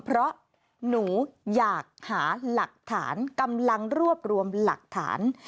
เพราะหนูอยากหาหลักฐานกำลังรวบรวมหลักฐาน